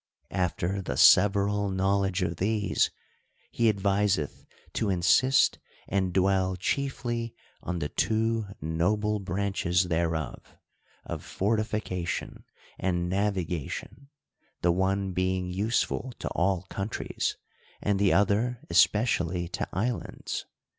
After the several knowledge of these, he adviseth tcr insist and dwell chiefly on the two noble branches thereof, of for tification and navigation ; the one being useful to all countries, and the other especially to islands.